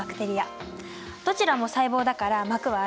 どちらも細胞だから膜はあるよね。